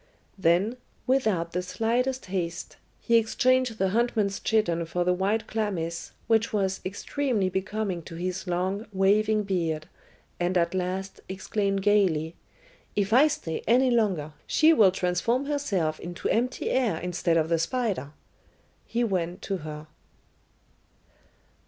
Then, without the slightest haste, he exchanged the huntsman's chiton for the white chlamys, which was extremely becoming to his long, waving beard, and at last, exclaiming gaily, "If I stay any longer, she will transform herself into empty air instead of the spider," he went to her.